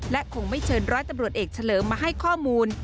และคงไม่เชิญร้อยตำรวจเอกเฉลิมมาให้ข้อมูล